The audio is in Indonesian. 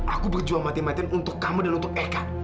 aku berjuang mati matian untuk kamu dan untuk eka